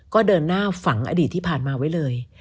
ก็เดินหน้าฝังอดีตที่ผ่านมาไว้เลย